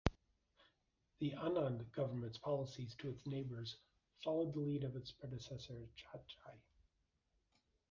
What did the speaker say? The Anand government's policies to its neighbours followed the lead of his predecessor Chatichai.